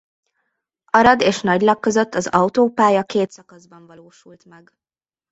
Arad és Nagylak között az autópálya két szakaszban valósult meg.